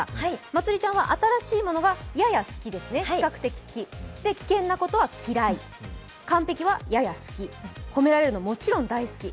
まつりちゃんは新しいものがやや好き、比較的好き、危険なことは嫌い完璧なことやや好き、褒められるのはもちろん大好き。